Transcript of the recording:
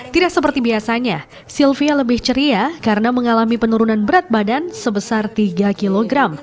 tidak seperti biasanya sylvia lebih ceria karena mengalami penurunan berat badan sebesar tiga kg